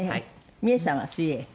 ミエさんは水泳？